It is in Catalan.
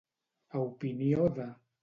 A opinió de.